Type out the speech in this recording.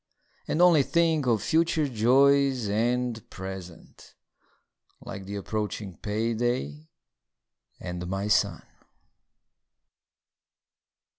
And only think of future joys and present, Like the approaching payday, and my son.